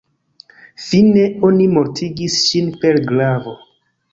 Fine, oni mortigis ŝin per glavo.